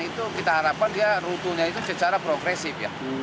itu kita harapkan dia rutunya itu secara progresif ya